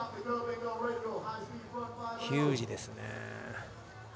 ヒュージですね。